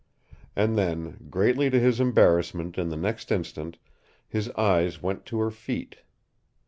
And then, greatly to his embarrassment in the next instant, his eyes went to her feet.